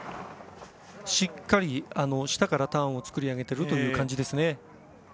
しっかり下からターンを作り上げていますね。